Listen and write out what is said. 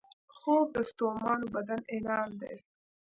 خوب د ستومانو بدن انعام دی